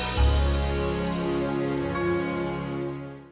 jangan lupa like subscribe dan share ya